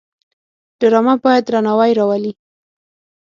ډرامه باید درناوی راولي